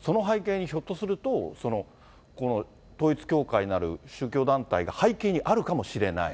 その背景にひょっとすると、この統一教会なる宗教団体が背景にあるかもしれない。